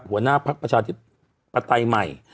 หัวหน้าพักประชาธิปไตยใหม่